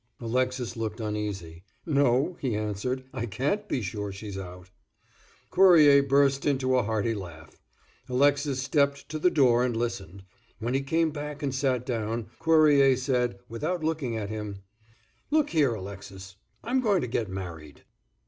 Alexis looked uneasy. "No," he answered, "I can't be sure she's out." Cuerrier burst into a hearty laugh. Alexis stepped to the door and listened; when he came back and sat down, Cuerrier said, without looking at him, "Look here, Alexis, I'm going to get married."